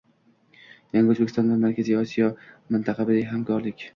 Yangi O‘zbekiston va Markaziy Osiyoda mintaqaviy hamkorlik